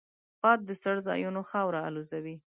باد د څړځایونو خاوره الوزوي